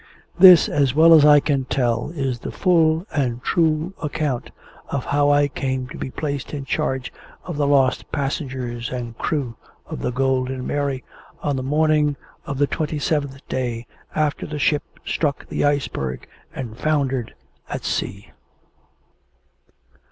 This, as well as I can tell it, is the full and true account of how I came to be placed in charge of the lost passengers and crew of the Golden Mary, on the morning of the twenty seventh day after the ship struck the Iceberg, and foundered at sea.